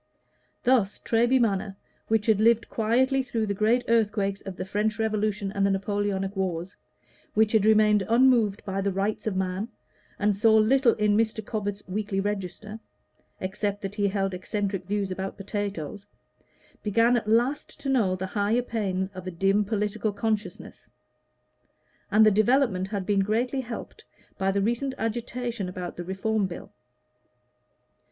Thus Treby Magna, which had lived quietly through the great earthquakes of the French Revolution and the Napoleonic wars, which had remained unmoved by the "Rights of Man," and saw little in Mr. Cobbett's "Weekly Register" except that he held eccentric views about potatoes, began at last to know the higher pains of a dim political consciousness; and the development had been greatly helped by the recent agitation about the Reform Bill.